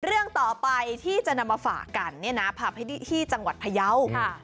เรื่องต่อไปที่จะนำมาฝากกันเนี่ยนะผับให้ที่จังหวัดพยาว